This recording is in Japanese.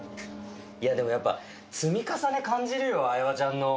いや、でもちょっと、積み重ね感じるよ、相葉ちゃんの。